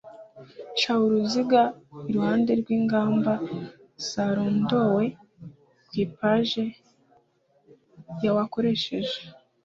ca uruziga iruhande rw ingamba zarondowe ku ipaje y wakoresheje